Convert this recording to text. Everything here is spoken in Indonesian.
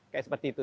kayak seperti itu